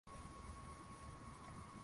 Vijana wanachapa kazi mjini